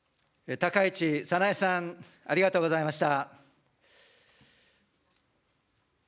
高市早苗さん、ありがとうございました。